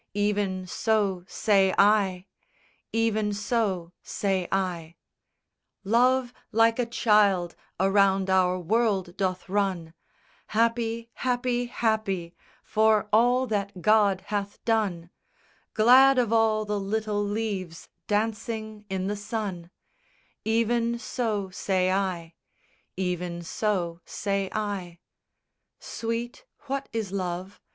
Even so say I; Even so say I. II Love like a child around our world doth run, Happy, happy, happy for all that God hath done, Glad of all the little leaves dancing in the sun, Even so say I; Even so say I. III Sweet, what is love?